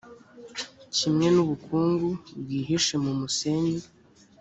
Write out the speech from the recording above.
kimwe n’ubukungu bwihishe mu musenyi.»